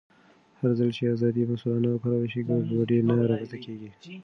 هرځل چې ازادي مسؤلانه وکارول شي، ګډوډي نه رامنځته کېږي.